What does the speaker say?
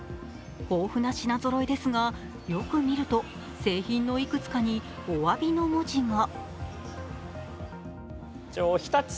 豊富な品ぞろえですが、よく見ると製品の幾つかにおわびの文字が。